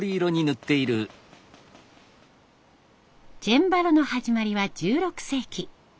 チェンバロの始まりは１６世紀。